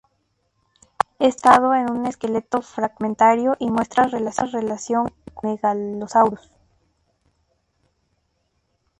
Está basado en un esqueleto fragmentario y muestra relación con "Megalosaurus".